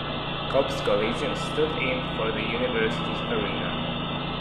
Copps Coliseum stood in for the University's arena.